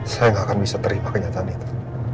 saya nggak akan bisa terima kenyataan itu